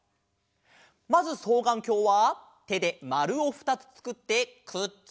まずそうがんきょうはてでまるをふたつつくってくっつけます。